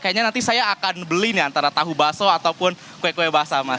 kayaknya nanti saya akan beli nih antara tahu baso ataupun kue kue basah mas